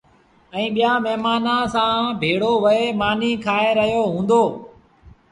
ائيٚݩٚ ٻيآݩ مهمآݩآنٚ سآݩٚ ڀيڙو ويه مآݩيٚ کآئي رهيو هُݩدو۔